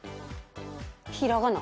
ひらがな。